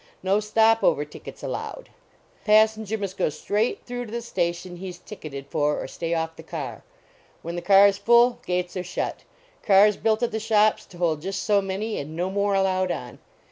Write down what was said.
No stop over tickets allowed ; passenger must go straight through to the station he s tick 200 THE BRAKEMAN AT CHURCH cted for, or stay off the car. When the car s full, gates are shut; cars built at the shops to hold just so many, and no more allowed on.